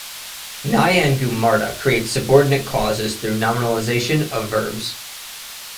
Nyangumarta creates subordinate clauses through nominalization of verbs.